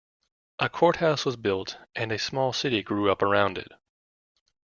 A court house was built and a small city grew up around it.